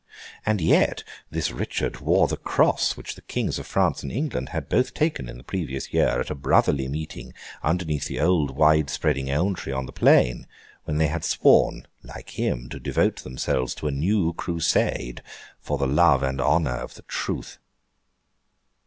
And yet this Richard wore the Cross, which the Kings of France and England had both taken, in the previous year, at a brotherly meeting underneath the old wide spreading elm tree on the plain, when they had sworn (like him) to devote themselves to a new Crusade, for the love and honour of the Truth!